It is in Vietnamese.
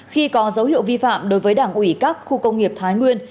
khi có dấu hiệu vi phạm đối với đảng ủy các khu công nghiệp thái nguyên